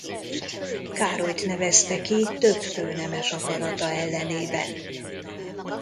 Károlyt nevezte ki több főnemes akarata ellenében.